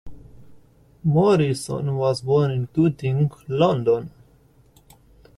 Morrison was born in Tooting, London.